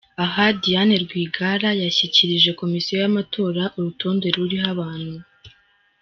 Aha Diande Rwigara yashyikirije Komisiyo y’amatora urutonde ruriho abantu